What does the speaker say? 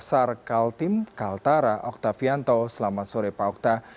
sarkal tim kaltara okta fianto selamat sore pak okta